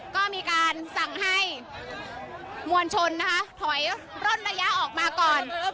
ก็มีการสั่งให้มวลชนนะคะถอยร่นระยะออกมาก่อน